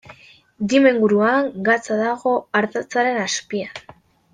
Dima inguruan gatza dago ardatzaren azpian.